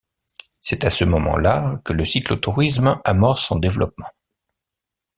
C’est à ce moment-là que le cyclotourisme amorce son développement.